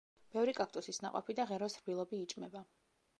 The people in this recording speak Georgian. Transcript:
ბევრი კაქტუსის ნაყოფი და ღეროს რბილობი იჭმება.